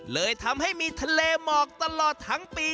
เลยทำให้มีทะเลหมอกตลอดทั้งปี